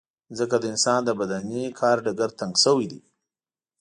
ځکه د انسان د بدني کار ډګر تنګ شوی دی.